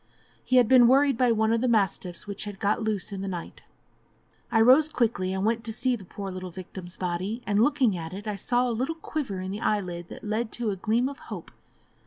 He had been worried by one of the mastiffs which had got loose in the night. I rose quickly and went to see the poor little victim's body, and looking at it, I saw a little quiver in the eyelid that led to a gleam of hope.